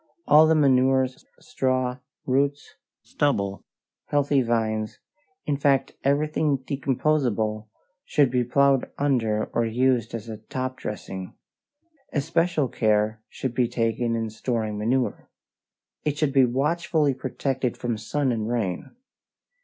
All the manures, straw, roots, stubble, healthy vines in fact everything decomposable should be plowed under or used as a top dressing. Especial care should be taken in storing manure. It should be watchfully protected from sun and rain.